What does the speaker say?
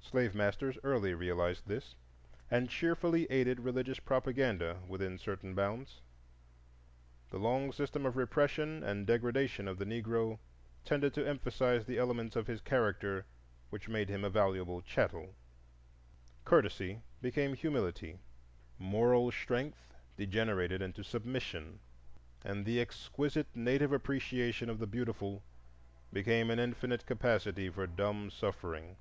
Slave masters early realized this, and cheerfully aided religious propaganda within certain bounds. The long system of repression and degradation of the Negro tended to emphasize the elements of his character which made him a valuable chattel: courtesy became humility, moral strength degenerated into submission, and the exquisite native appreciation of the beautiful became an infinite capacity for dumb suffering.